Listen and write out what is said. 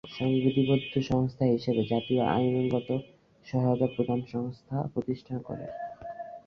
সংবিধিবদ্ধ সংস্থা হিসেবে জাতীয় আইনগত সহায়তা প্রদান সংস্থা প্রতিষ্ঠা করে।